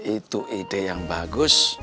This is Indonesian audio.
itu ide yang bagus